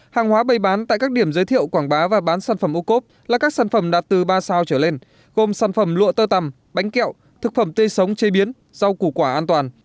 hàng hóa bày bán tại các điểm giới thiệu quảng bá và bán sản phẩm ô cốp là các sản phẩm đạt từ ba sao trở lên gồm sản phẩm lụa tơ tằm bánh kẹo thực phẩm tê sống chế biến rau củ quả an toàn